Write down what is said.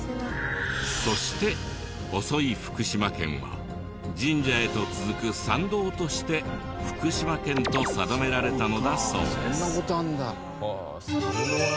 そして細い福島県は神社へと続く参道として福島県と定められたのだそうです。